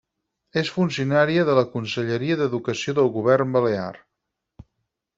És funcionària de la Conselleria d'Educació del Govern Balear.